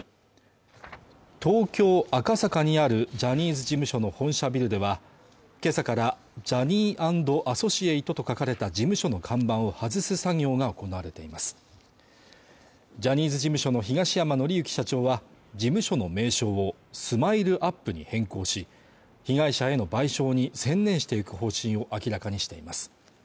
東京・赤坂にあるジャニーズ事務所の本社ビルでは今朝からＪｏｈｎｎｙ＆Ａｓｓｏｃｉａｔｅｓと書かれた事務所の看板を外す作業が行われていますジャニーズ事務所の東山紀之社長は事務所の名称をＳＭＩＬＥ−ＵＰ．に変更し被害者への賠償に専念していく方針を明らかにしています